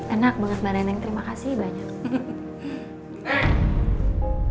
enak banget mbak neng neng terima kasih banyak